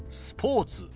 スポーツ。